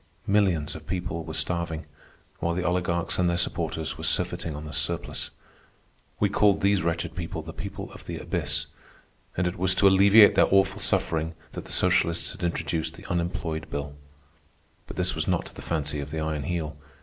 Millions of people were starving, while the oligarchs and their supporters were surfeiting on the surplus. We called these wretched people the people of the abyss, and it was to alleviate their awful suffering that the socialists had introduced the unemployed bill. But this was not to the fancy of the Iron Heel.